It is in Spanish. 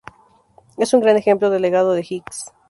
Es un gran ejemplo del legado de Hicks.